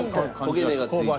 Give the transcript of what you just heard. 焦げ目がついて。